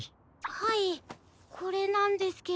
はいこれなんですけど。